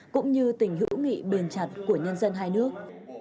cũng như tình hữu nghị bền chặt của nhân dân hai nước